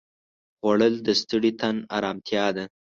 خوړل د ستړي تن ارامتیا ده